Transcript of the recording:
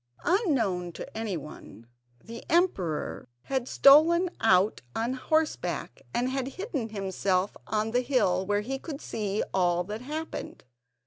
Unknown to anyone, the emperor had stolen out on horseback, and had hidden himself on the hill, where he could see all that happened.